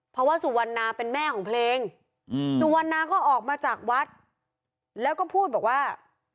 เพราะว่าสุวรรณาเป็นแม่ของเพลงอืมสุวรรณาก็ออกมาจากวัดแล้วก็พูดบอกว่า